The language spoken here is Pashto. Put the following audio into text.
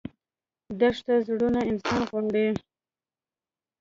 دښته زړور انسان غواړي.